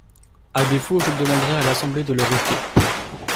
À défaut, je demanderai à l’Assemblée de le rejeter.